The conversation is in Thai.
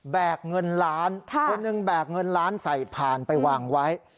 เงินล้านคนหนึ่งแบกเงินล้านใส่ผ่านไปวางไว้